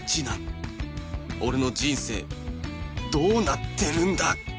俺の人生どうなってるんだ！？